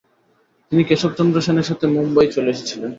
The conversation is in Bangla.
তিনি কেশব চন্দ্র সেনের সাথে মুম্বই চলে এসেছিলেন।